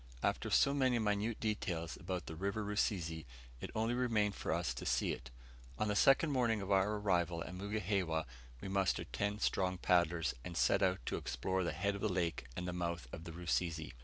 After so many minute details about the River Rusizi, it only remained for us to see it. On the second morning of our arrival at Mugihewa we mustered ten strong paddlers, and set out to explore the head of the lake and the mouth of the Rusizi.